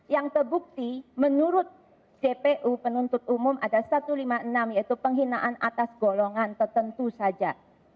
yang terbukti menurut cpu penuntut umum ada satu ratus lima puluh enam yaitu penghinaan atas golongan tertentu saja